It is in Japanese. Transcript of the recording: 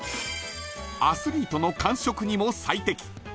［アスリートの間食にも最適］